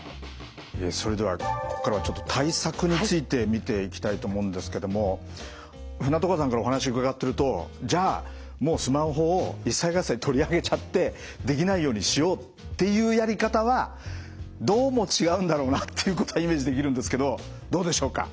それではここからは対策について見ていきたいと思うんですけども船渡川さんからお話を伺っているとじゃあもうスマホを一切合財取りあげちゃってできないようにしようっていうやり方はどうも違うんだろうなっていうことはイメージできるんですけどどうでしょうか？